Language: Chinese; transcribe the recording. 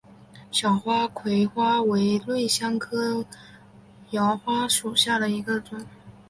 小花荛花为瑞香科荛花属下的一个种。